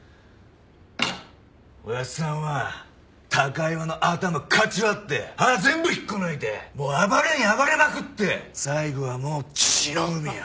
おやっさんは高岩の頭かち割って歯全部引っこ抜いてもう暴れに暴れまくって最後はもう血の海よ。